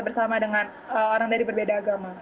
bersama dengan orang dari berbeda agama